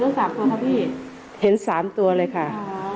แล้ว๒ตัวหรือ๓ตัวครับพี่เห็น๓ตัวเลยค่ะ